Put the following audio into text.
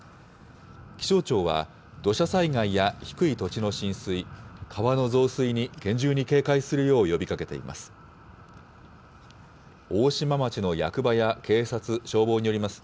気象庁は、土砂災害や低い土地の浸水、川の増水に厳重に警戒するよう呼びかけています。